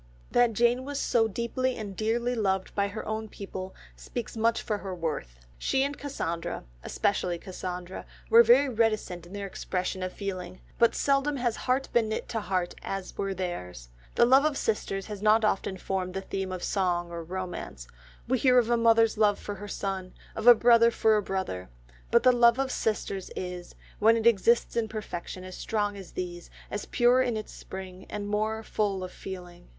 That Jane was so deeply and dearly loved by her own people speaks much for her worth. She and Cassandra, especially Cassandra, were very reticent in their expression of feeling, but seldom has heart been knit to heart as were theirs. The love of sisters has not often formed the theme of song or romance; we hear of a mother's love for her son, of a brother for a brother, but the love of sisters is, when it exists in perfection, as strong as these, as pure in its spring, and more full of feeling.